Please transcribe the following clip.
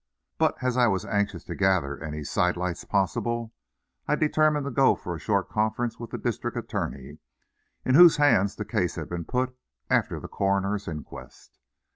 But as I was anxious to gather any side lights possible, I determined to go for a short conference with the district attorney, in whose hands the case had been put after the coroner's inquest.